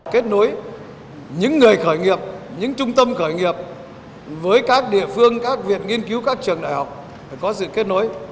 kết nối những người khởi nghiệp những trung tâm khởi nghiệp với các địa phương các việc nghiên cứu các trường đại học phải có sự kết nối